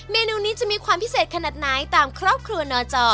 เมนูนี้จะมีความพิเศษขนาดไหนตามครอบครัวนจอ